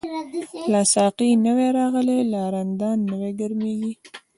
لاسا قی نوی راغلی، لا رندان نوی ګرمیږی